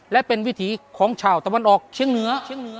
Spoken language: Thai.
และเป็นวิถีของชาวตะวันออกเชียงเหนือ